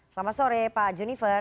selamat sore pak juniver